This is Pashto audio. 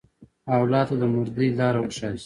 اولاد ته د مردۍ لاره وښیاست.